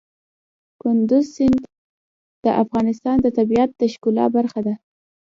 کندز سیند د افغانستان د طبیعت د ښکلا برخه ده.